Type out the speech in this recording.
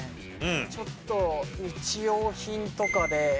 ちょっと日用品とかで。